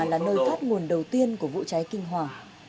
là nơi thoát nguồn đầu tiên của vụ cháy kinh hoàng